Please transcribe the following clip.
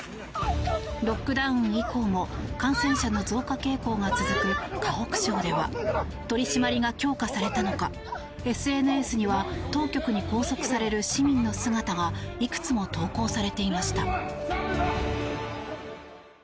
ロックダウン以降も感染者の増加傾向が続く河北省では取り締まりが強化されたのかＳＮＳには当局に拘束される市民の姿がいくつも投稿されていました。